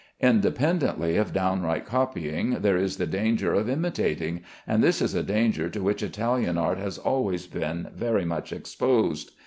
Independently of downright copying there is the danger of imitating, and this is a danger to which Italian art has always been very much exposed.